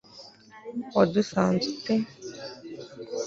wadusanze ute